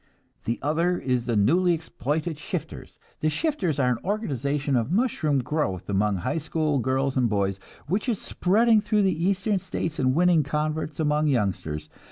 "The other is the newly exploited 'shifters.' The 'shifters' are an organization of mushroom growth among high school girls and boys which is spreading through the eastern States and winning converts among youngsters.